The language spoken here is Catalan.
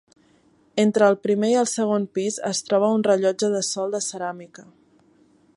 Entre el primer i el segon pis es troba un rellotge de sol de ceràmica.